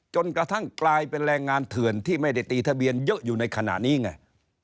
จนกระทั่งกลายเป็นแรงงานเถื่อนที่ไม่ได้ตีทะเบียนเยอะอยู่ในขณะนี้ไง